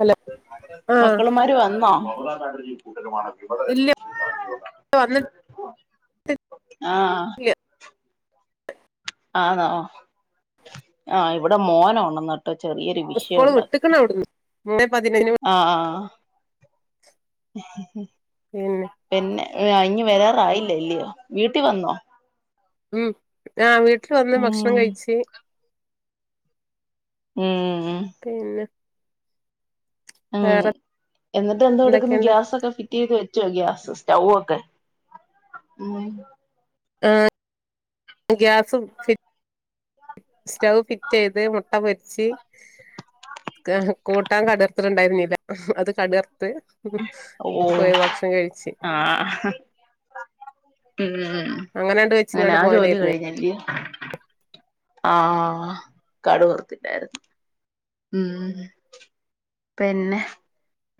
Hello ആഹ് മക്കള്മാര് വന്നോ? ഇല്ല വന്നിട്ടില്ല ആഹ് എ ആണോ ആഹ് ഇവിടെ മോന് ഉണന്ന് ഇവടെചെറിയൊരു വിഷയം സ്കൂള് ഉണ്ടാകി വിട്ട്ക്ക്ണ് അവിടുന്ന് മൂന്നേ പതിനഞ്ചിന് ആഹ് [inaudible] പിന്നെ പിന്നെ അയിഞ് വരാറായില്ല ല്ലയോ വീട്ടിൽ വന്നോ? ഉം ആഹ് വീട്ടിൽ വന്ന് ഉം ഭക്ഷണം കഴിച്ച് ഉം ഉം പിന്നെ ഉം വേറെ എന്നിട്ട് എന്ത കൊടുക്കുന്നു എന്തൊക്കെയുണ്ട് ഗ്യാസ് ഒക്കെ ഫിറ്റ് ചെയ്ത് വെ വെച്ചേഗ്യാസ് സ്റ്റവ് ഒക്കെ ഉം ആഹ് ഗ്യാസും ഫി സ്റ്റവ് ഫിറ്റ് ചെയ്ത് മുട്ട പൊർച്ച് കൂട്ടാൻ കടർത്തിട്ടുണ്ടായിരുന്നില്ല അത് കടർത്ത് ഓഹ് പോയി ഭക്ഷണം കഴിച്ച് ആഹ് ഉം ഉം അങ്ങനെണ്ട് അങ്ങനെ വെച്ചിങ്ങാണ്ട് ആ ജോലി പോയതായിരുന്നേ കഴിഞ്ല്ലേ ആഹ് കടുവർത്തില്ലായിരുന്നു ഉം ഉം പിന്നെ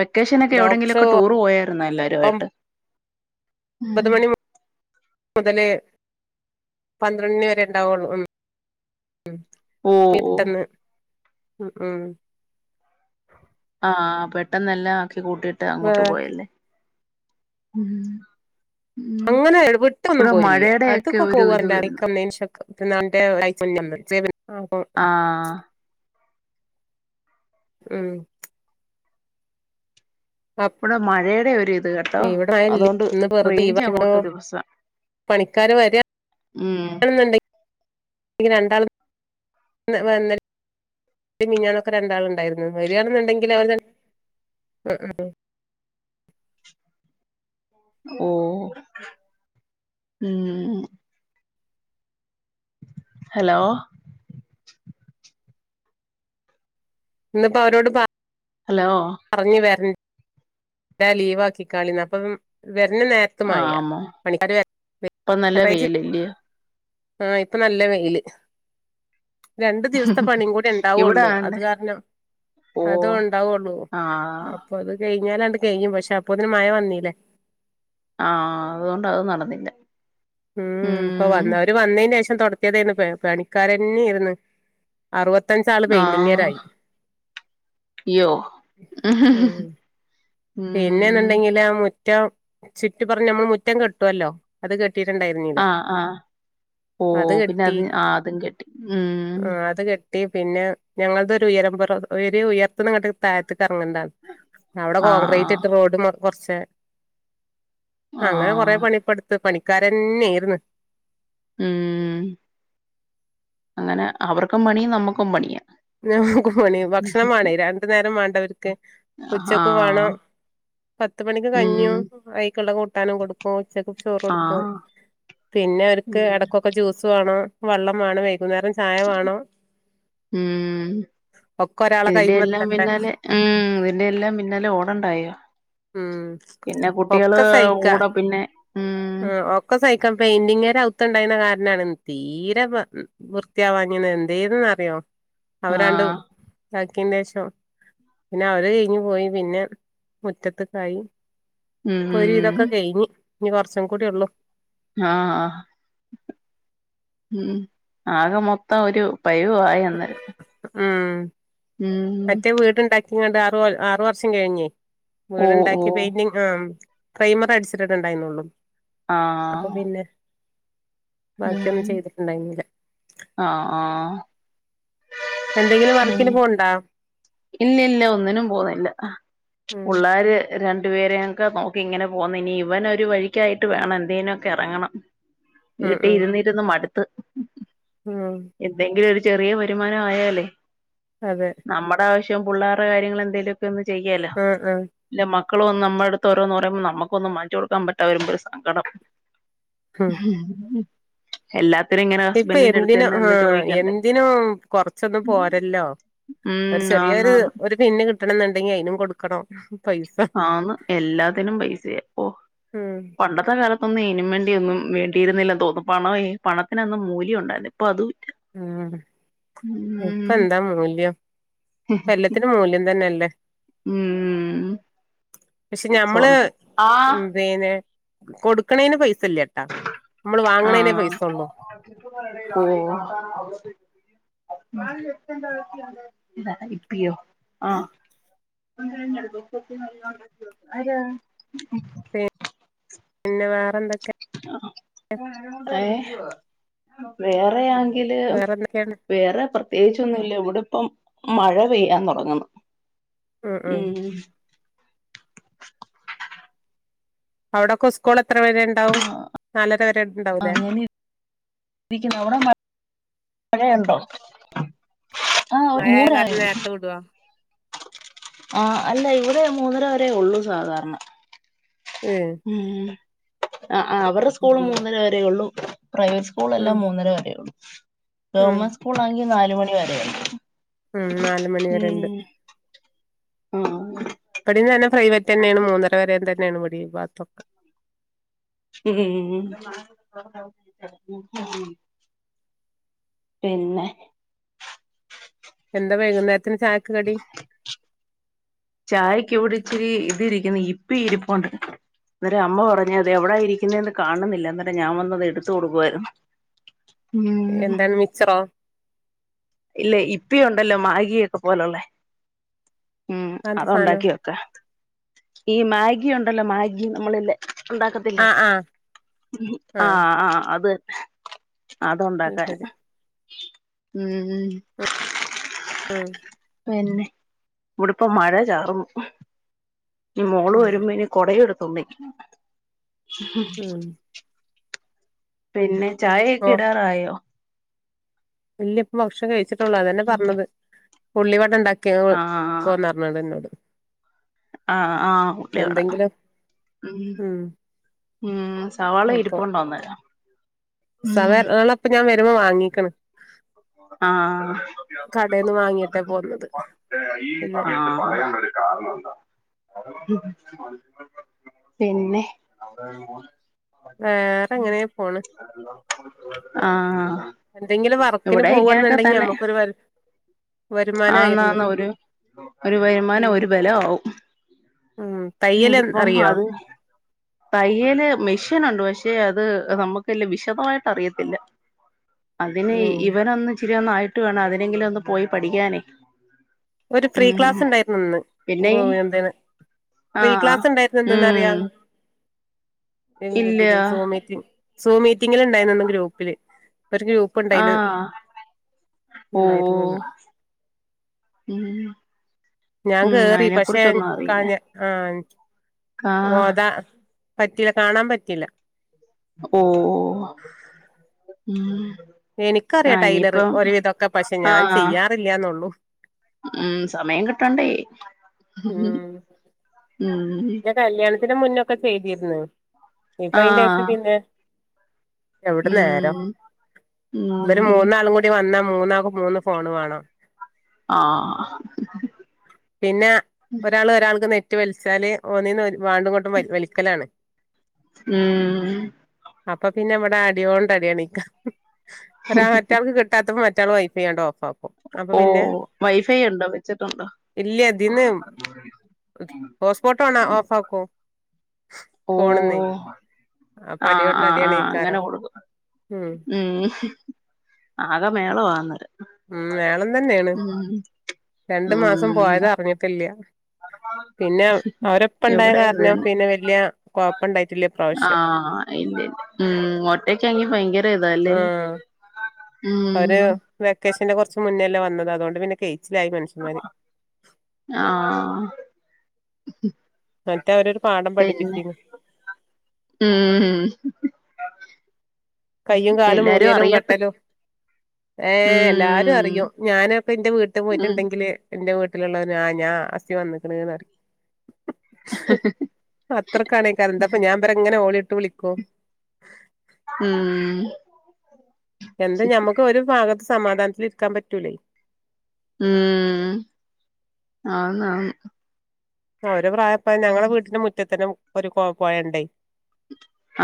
വെക്കേഷനൊക്കെ എവിടെങ്കിലും ഡോക്ടർ ഒക്കെ ടൂറ് പോയിരുന്നോ എല്ലാരും ആയിട്ട് ഒമ്പത് ഉം മണി മുതല് പന്ത്രറണ്ട്‌ മണിവരെ ഉണ്ടാവുള്ളൂ ഉം ഉം ഓ ഓ പെട്ടെന്ന് ഉം ഉം ആഹ് പെട്ടെന്ന് എല്ലാം ആക്കി കൂട്ടിയിട്ട് വേ അങ്ങോട്ട് പോയല്ലേ ഉം അങ്ങനെ വിട്ടൊന്നും ഇവിടെ പോയില്ല അടുത്ക് മഴയുടെയൊക്കെ ഒക്കെ ഒരു ഇത് പോകാറില്ല വരുന്നു [unintelligible] പിന്നെ [unintelligible] ആഹ് ഉം അപ്പ ഇവിടെ മഴയുടെ ഒരിത് കണ്ടോ ഇവിടെ മഴല്ല അതുകൊണ്ട് ഇന്ന് വെറുതെ റേഞ്ച് ലീവാക്കി അങ്ങോട്ട് ഒരു [unintelligible] പണിക്കാര് വരാ മ്മ് വരുന്നുണ്ട് രണ്ടാൾ വന്ന് ഇന്നലിം മിനിഞ്ഞാന്നോക്കെ രണ്ടാള്ഉണ്ടായിരുന്നു വരിയാണെങ്കിൽ അവര് മ്മ് മ്മ് ഓഹ് ഉം ഹലോ ഇന്നിപ്പോ അവരോട് പറ ഹലോ പറഞ്ഞു വരണ്ടാ ലീവാക്കിക്കാളിന്ന് അപ്പം വര്നനേര ത്ത് മയ ആമോ പണിക്കാര് [inaudible] ഇപ്പൊ നല്ല വെയിലല്ലയോ ആഹ് ഇപ്പൊ നല്ല വെയില് രണ്ട് ദിവസത്തെ പണിയും കൂടി ഇവിടെ ഉണ്ടാവുള്ളൂ ആണ്ടേ അത് കാരണം ഓ അതോണ്ടാവുള്ളൂ. ആഹ് അപ്പൊ അത് കഴിഞ്ഞാലാത് കഴിഞ്ഞ് പക്ഷെ അപ്പൊത്തിന് മഴ വന്നീല്ലേ ആഹ് അതുകൊണ്ടത് നടന്നില്ല ഉം ഇപ്പൊ വന്നോര് വന്നീന്റെ ശേഷം തൊടത്തിയതാണ് പണിക്കാരന്നേന്ന് അറുപത്തഞ്ചാള് ആഹ് പെയിന്റിങ്ങേരായി അയ്യോ ഉം ഉം പിന്നെന്നുണ്ടെങ്കില് ആ മുറ്റം ചുറ്റി പറഞ്ഞ് നമ്മൾ മുറ്റം കെട്ടുവല്ലോ അത് കെട്ടിട്ടുണ്ടായിരുന്നില്ല ആഹ് ആഹ് ഓ പിന്നെ അത് ആഹ് അതും കെട്ടി ഉം ആ അത് കെട്ടി പിന്നെ ഞങ്ങളതൊരുഉയരം പുറം ഉയർത്ത്നിങ്ങട്ടക്ക് താഴത്തിക്കറങ്ങണ്ട അവടെ ആ റോഡ് കുറച്ച് ആ അങ്ങനെ കൊറെ ആഹ് പണിപ്പെടുത്ത് പണിക്കാരന്നെയിന്ന് ഉം അങ്ങനെ അവർക്കും പണി നമ്മക്കും പണിയാ ഞമ്മക്കും പണി ഭക്ഷണംവാണേയ് രണ്ട് നേരം വേണ്ടവർക്ക് ആഹ് പത്ത് മണിക്ക് ഉം കഞ്ഞിയും അയ്ക്കുള്ള കൂട്ടാനും കൊടുക്കും ഉച്ചക്ക് ചോറൊടുക്കും ആഹ് പിന്നെ അവര്ക്ക് ഉം എടക്കൊക്കെ ജ്യൂസ് വേണം, വെള്ളം വേണം, വൈകുന്നേരം ചായ വേണം ഉം ഒക്കെ ഒരാളെ ഇതിന്റെയെല്ലാം കൈമത്തണ്ടേ പിന്നാലെ ഉം ഇതിന്റെയെല്ലാം പിന്നാലെ ഓടണ്ടായോ ഉം പിന്നെ ഒക്കെ കുട്ടികള് സഹിക്കാ കൂടെ പിന്നെ ഉം ആഹ് ഒക്കെ സഹിക്കാ പെയിന്റിങ്ങേര് അകത്തുണ്ടായിന്ന കാരനാണ് തീരെ വൃത്തിയാവാഞ്ഞത് എന്തേന്നറിയോ? അവരാങ്ങട് ആഹ് ഇതാക്കിന്റെ ശേഷം പിന്നെ അവര് കഴിഞ്ഞ് പോയി പിന്നെ മുറ്റത്ത്ക്കായി ഇപ്പൊരു ഉം വിതൊക്കെ കഴിഞ്ഞ് ഇനി കുറച്ചും കൂടി ഒള്ളൂ ആഹ് ആഹ് ഉം ആകെ മൊത്തം ഒരു പായുവായി എന്നേരം ഉം ഉം മറ്റേ വീടുണ്ടാക്കിങ്ങണ്ട് ആറു വർഷം കഴിഞ്ഞേ ഓ ഓ വീടുണ്ടാക്കി പെയിന്റി ആഹ് പ്രൈമർ അടിച്ചിട്ട് ട്ടെ ഇണ്ടായിന്നൊള്ളു. അപ്പൊ ആഹ് പിന്നെ ബാക്കിയൊന്നും ഉം ചെയ്തിട്ടുണ്ടായിന്നില ആഹ് ആഹ് എന്തെങ്കിലും ഉം വർക്കിന് പോണ്ണ്ടാ ഇല്ല ഇല്ല്യ ഒന്നിനും പോവുന്നില്ല പു ഉം ള്ളാര് രണ്ടുപേരെയൊക്കെ നോക്കി ഇങ്ങനെ പോകുന്നു, ഇനി ഇവനൊരു വഴിക്കായിട്ട് വേണം എന്തേനൊക്കെ ഇറങ്ങണം ഉം വീട്ടി ഉം ഇരുന്നിരുന്ന് മടുത്ത്. ഉം എന്തെങ്കിലു ഒരു ചെറിയ വരുമാനവായാലേ. അതെ. നമ്മടെ ആവശ്യവും പുള്ളാരെ കാര്യങ്ങളെന്തേലൊക്കെ ഒന്ന് ചെയ്യാലോ. ആ ആ ഇല്ല മക്കള് വന്ന്‌ നമ്മളെടുത്ത് ഓരോന്ന് പറയുമ്പം നമുക്കൊന്നും വാങ്ങിച്ച് കൊടുക്കാൻ പറ്റാതെ വരുമ്പം ഒരു സങ്കടം. ഉം എല്ലാ ഇപ്പൊ എന്തിനും ആഹ് എന്തിനും കൊറച്ചൊന്നും പോരല്ലോ. ഒരു ഉം ചെറിയൊരു ആന്നാന്ന്‌. ഒരു പിന്ന്‌ കിട്ടണംന്ന്ണ്ടെങ്കി അയിനും കൊടുക്കണം. പൈസ ആന്ന് എല്ലാത്തിനും പൈസയാ. ഒഹ്. ഉം പണ്ടത്തെ കാല ത്തൊന്നും ഇനും വേണ്ടി ഒന്നും വേണ്ടിയിരുന്നില്ല തോന്നുന്നു. പണവേ പണത്തിനന്ന് മൂല്യം ഉണ്ടായിരുന്നു. ഇപ്പ അതൂല്ല. ഉം ഇപ്പെന്താ മൂല്യം ഇപ്പെല്ലത്തിനും മൂല്യം തന്നെല്ലേ. ഉം പക്ഷെ ഞമ്മള് സ്വർണം ആഹ് ഉം പീന്നെ കൊടുക്ക്ണേന് പൈസ ഇല്ല്യട്ടാ. നമ്മൾ വാങ്ങ്ണേനെ പൈസൊള്ളൂ. ഓഹ് ഇപ്പിയോ ആ [inaudible] പിന്നെ വേറെ ന്തൊക്കെ ഏഹ് വേറെയാങ്കില് വേറെ എന്തൊക്കെയാണ് വേറെ പ്രത്യേകിച്ചൊന്നുല്ല ഇവിടെപ്പം മഴ പെയ്യാൻ തൊടങ്ങുന്ന്. ഉം അവിടൊക്കെ സ്കൂൾ എത്ര വരെ ണ്ടാവും? നാലര വരെ ഇണ്ടാവൂല്ലേ? ഇരിക്കുന്ന്. അവിടെ മഴ മഴയുണ്ടോ? ആഹ് മഴയായ മൂന്നര കാരണം വരെയൊള്ളു. നേരത്തെ വിടുവാ ആഹ് അല്ല ഇവിടെ മൂന്നര വരേ ഒള്ളു സാധാരണ. ഏഹ് ഉം അഹ് ആഹ് അവർടെ സ്കൂള് മൂന്നര വരേ ഒള്ളൂ. പ്രൈവറ്റ് സ് ഉം കൂളെല്ലാം മൂന്നര വരേയൊള്ളൂ. ഉം ഗവൺമെൻ്റ് സ്കൂളാണെങ്കി നാല് മണി വരെയാണ് ഉം നാല് മണി വരെ ഉം. ഉണ്ട് ആഹ്. ഇവെടിം തന്നെ പ്രൈവറ്റെന്നേണ് മൂന്നര വരേൻ തന്നേണ് ഇവെടിം ഈ ഭാത്തൊക്കെ. ഉം. പിന്നെ എന്താ വൈകുന്നേരത്തിന് ചായക്ക് കടി? ചായക്ക് ഇവിടെ ഇച്ചിരി ഇതി ഇരിക്കുന്നു ഇപ്പി ഇരിപ്പുണ്ട്. അന്നേരം അമ്മ പറഞ്ഞ് അത് എവിടാ ഇരിക്കുന്നേന്ന് കാണുന്നില്ല എന്നട്ട് ഞാൻ വന്നത് എടുത്തു കൊടുക്കുവായിരുന്നു. ഉം എന്താണ് മിച്ചറോ ഇല്ലേ ഇപ്പിയുണ്ടല്ലോ മാഗിയൊക്കെ പോലുള്ളെ ഉം. അതെന്താ അത് സാധനം ഉണ്ടാക്കി വെക്കാ. ഈ മാഗി ഉണ്ടല്ലോ മാഗി നമ്മള് ല്ലെ ഉണ്ടാക്കത്തില്ലേ ആഹ് ആഹ് ആഹ് ആഹ് അത് തന്നെ. അത് അതുണ്ടാക്കാൻ. ശരി ഉം ഉം. പിന്നെ ഇവിടിപ്പം മഴ ചാർന്നു. ഞ് മോള് ഉം വരുമ്പ ഇനി കൊട എടുത്തൊന്നെ. ഹും ഉം പിന്നെ ചായ ഒക്കെ ഇടാറായോ ഇല്ല്യ ഇപ്പ ഭക്ഷണം കഴിച്ചിട്ടുള്ളൂ അതന്നെ പറഞ്ഞത്. ഉള്ളിവട ഉണ്ടാക്കിന്നു ന്ന് ആഹ് കൊ ണടന്നോട് ആഹ് ആഹ് ഉള്ളിവടാ എന്തെങ്കിലും ഉം ഉം സവാള ഇരിപ്പോണ്ട് ഒന്നരാ സവേ ള ഇപ്പൊ ഞാൻ വരുമ്പോ വാങ്ങിക്ണ് ആഹ് കടെന്ന് വാങ്ങിട്ടേ പോന്നത് ഈ പിന്നെ സമയത്ത് പറയാനുള്ളത്. ആഹ് പിന്നെ അവിടെ വേറെ ഇങ്ങനെ പോണ് ആ ഉം എന്തെങ്കിലും വർക്കിന് ഇങ്ങനൊക്കെ പോകെന്നുണ്ടെങ്കിൽ നമ്മുക്കൊരു ആന്ന് വരുമാനായിരുന്നു ആന്ന് ഒരു ഒരു ഉം വരുമാനം ഒരു ബല ആവും ഉം തയ്യൽ അറിയോ തയ്യൽ മെഷീനുണ്ട് പക്ഷെ അത് നമുക്ക് വിശദമായിട്ട് അറിയത്തില്ല അതിന് ഉം ഇവനൊന്ന് ഇച്ചിരി ഒന്ന് ആയിട്ട് വേണം അതിനെങ്കിലും ഒന്ന് പോയി പഠിക്കാനേ ഒരു ഫ്രീ ഉം ക്ലാസ് ഉണ്ടായിരുന്നു ഇന്ന്. പിന്നെ [unintelligible] പ്രീ ആഹ് ക്ലാസ് ഉണ്ടായിരുന്നു എന്ന്ന്ന് പറയാ ഉം ഇല്ല തില് സോ മീറ്റി സോ മീറ്റിങ്ങിൽ ഉണ്ടായിരുന്ന ഗ്രൂപ്പില് ഗ്രൂപ്പ ആഹ് ഓഹ് ഉണ്ടായിരുന്നുന്ന് ഉം ഞാൻ ഉം കേറി അതിനെ പക്ഷെ കുറിച്ചൊന്നും ക അറിയില്ല ആഹ് ആഹ് ഗോത കാണാൻ പറ്റില്ല ഓഹ് മ്മ് എനിക്കറിയാം ടൈലർ ഒരുവിധൊക്കെ, പക്ഷെ ഞാൻ ആഹ് ചെയ്യാറില്ലന്നുള്ളൂ ഉം സമയം കിട്ടണ്ടേ ഉം മ്മ് പിന്നെ കല്യാണത്തിന് മുന്നൊക്കെ ചെയ്തിര്ന്ന്. ഇപ്പൊ അയിന്റെ ശേഷം ആഹ് പിന്നെ എവിട നേരം ഉം ഉം ഇവര് മൂന്നാളും കൂടി ടി വന്നാ മൂന്നാക്കും മൂന്ന് ഫോണ് വേണം ആഹ് പിന്നെ ഒരാള് ഒരാൾക്ക് നെറ്റ് വലിച്ചാല് ഓന്നീന്ന് ആണ്ടുംങ്ങോട്ടും വ വലിക്കലാണ് ഉം അപ്പൊ പിന്നെ ഇവിടെ അടിയോണ്ട് അടിയണ് ഒരാ മറ്റർക്ക് കിട്ട ട്ടാത്ത മറ്റാള് വൈഫൈ അങ്ങട് ഓഫആകും ഓഹ് വൈഫൈ ഉണ്ടോ വെച്ചിട്ടുണ്ടോ ഇല്ല ഫോട്ടോണ ഓഫ്ക്ക ഫോൺന്നെ ആഹ് ആഹ് ആഹ് അങ്ങനെ ഇക്കാരം കൊടുക്കും ഉം മം ആകെ മേളവാന്നത് ഉം മേളം തന്നെയാണ് രണ്ടു മാസം ഉം പോയത് അറിഞ്ഞിട്ടില്ല പിന്നെ ഓരപ്പണ്ടായ ഇവിടെ ഇത് കാരണം തന്നെ പിന്നെ വലിയ കൊഴപ്പണ്ടായിട്ടില്ല ഇപ്രാവശ്യ ആഹ് ഇന്ത് ഉം ഒറ്റക്കാങ്കി ഭയങ്കര ഇതാല്ലേ ആഹ് ഉം അവര് വെക്കേഷന്റെ കൊറച്ച് മുന്നല്ലേ വന്നത് അതുകൊണ്ട് പിന്നെ കെയ്ച്ചിലായി മനുഷ്യന്മാര് ആഹ് മറ്റേ അവരൊരു പാഠം പിന്നെ പഠിപ്പിച്ചീനി ഉം കയ്യും കാലും എല്ലാരും മുറിയലും അറിയട്ട് കെട്ടലും ഏർഹ് എല്ലാരും ഉം അറിയും ഞാനപ്പ ഇന്റെ വീട്ടു ഉം പോയിട്ടുണ്ടെങ്കില് എന്റെ വീട്ടിലുള്ളവര് ആഹ് ഞാൻ അസി വന്ന്ക്ക്ണ്ന്ന് പറിം അത്രക്കാണെക്കാരം എന്താപ്പ ഞാൻ ഇവരങ്ങനെ ഓളിട്ട് വിളിക്കും ഉം എന്താ ഞമ്മക്ക് ഒരു ഭാഗത്ത് സമാധാനത്തില് ഇരിക്കാൻ പറ്റൂലേ ഉം ആഹ് ആഹ് ഓരെ പ്രായപ്പ ഞങ്ങളെ വീട്ടിന്റെ മുറ്റത്തന്നെ ഒരു കൊ പോയണ്ടേ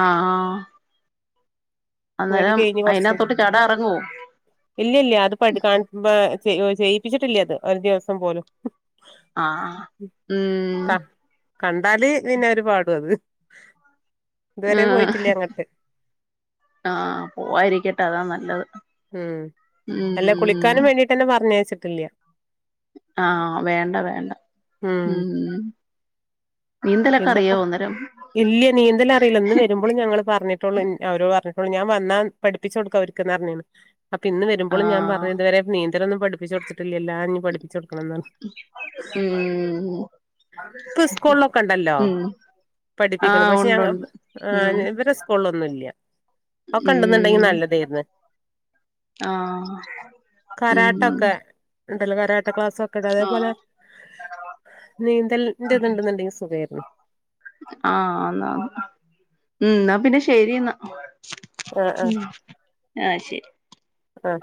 ആഹ് ആഹ് വീട് അന്നേരം കഴിഞ്ഞ് കുറച്ച് അയിനകത്തൊട്ട് ചാടാൻ ഇറങ്ങുവോ ഇല്ല ഇല്ല അത് പഠ കാണുമ്പ ചെയ്യിപ്പിച്ചിട്ടില്ല അത് ഒരു ദിവസം പോലും ആഹ് ഉം ക കണ്ടാല് പിന്നെരു പാടും അത് ഇതുവരെ പോയിട്ടില്ല ആഹ് അങ്ങട്ട് ആഹ് പോവാരിക്കട്ടെ അതാ നല്ലത് ഉം അല്ല ഉം കുളിക്കാനും വേണ്ടിട്ടന്നെ പറഞ്ഞയച്ചിട്ടില്ല ആഹ് വേണ്ട വേണ്ട ഉം നീന്തലൊക്കെ ഇന്നിപ്പോ അറിയാവോ അന്നേരം ഇല്ല നീന്തലറിയില്ല ഇന്ന് വരുമ്പളും ഞങ്ങള് പറഞ്ഞിട്ടള്ളൂ അവര് പറഞ്ഞിട്ടൊള്ളൂ ഞാൻ വന്നാ പഠിപ്പിച്ച് കൊടുക്ക അവർക്ക്‌ന്ന് പറഞ്ഞ്ണ് അപ്പൊ ഇന്ന് വരുമ്പളും ഞാൻ ആഹ് പറഞ്ഞ് ഇതുവരെ നീന്തലൊന്നും പഠിപ്പിച്ചൊടുത്തിട്ടില്ലല്ലോ ആഹ് ഞ് പഠിപ്പിച്ച് കൊടുക്കണംന്ന് പറഞ്ഞ് ഉം ക്കൊണ്ടല്ലോ ഉം പഠിപ്പിക്കണം പക്ഷെ ആഹ് ഉം ഞ ഇവരെ - സ്കൂളൊന്നുംല്ല അതൊക്കെണ്ട്‌ ന്ന്ണ്ടെങ്കി ഉം നല്ലതേയ്ര്ന്ന് ആഹ് ഉം കരാട്ടൊക്കെ ഉണ്ടല്ലോ കരാട്ട ക്ലാസ്സൊക്കെണ്ട് അതേപോലെ ആഹ് നീന്തൽന്റെ ഇതുണ്ടെന്നുണ്ടെങ്കി സുഖയ്ര്ന്നു ആഹ് അന്നാ ഉം ഇന്നാ പിന്നെ ശരിന്നാ ആഹ് ആഹ് ഉം ആഹ് ശരി ആഹ്